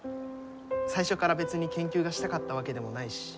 最初から別に研究がしたかったわけでもないし。